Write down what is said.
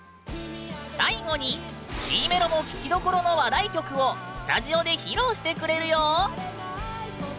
最後にＣメロも聴きどころの話題曲をスタジオで披露してくれるよ！